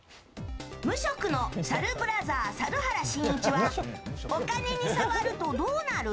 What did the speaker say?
無職のサルブラザー、猿原真一はお金に触るとどうなる？